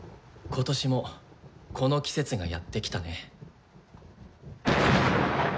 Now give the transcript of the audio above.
今年もこの季節がやってきたね。